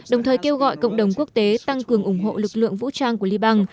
đồng thời kêu gọi cộng đồng quốc tế tăng cường ủng hộ lực lượng vũ trang của liban